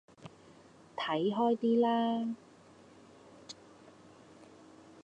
睇開啲啦